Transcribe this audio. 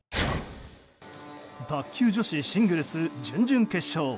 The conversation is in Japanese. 卓球女子シングルス準々決勝。